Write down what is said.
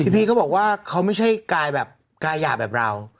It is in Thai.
พี่พีชเขาบอกว่าเขาไม่ใช่กายาแบบเรา